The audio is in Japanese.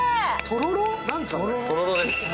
とろろです。